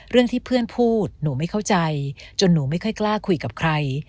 เรื่องที่เพื่อนพูดหนูไม่เข้าใจจนหนูไม่ค่อยกล้าคุยกับใคร